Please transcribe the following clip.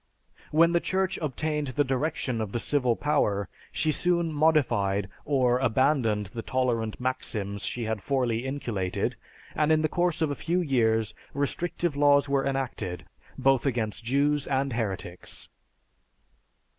When the Church obtained the direction of the civil power, she soon modified or abandoned the tolerant maxims she had formerly inculcated; and in the course of a few years, restrictive laws were enacted, both against Jews and heretics."